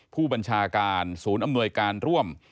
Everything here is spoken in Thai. ผู้บัญชาการศูนย์อำนวยการร่วม